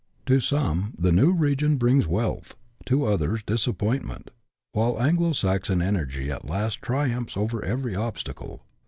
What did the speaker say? To some the new region brings wealth, to others disappointment, while Anglo Saxon energy at last triumphs over every obstacle.